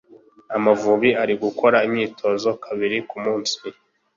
Amavubi ari gukora imyitozo kabiri ku munsi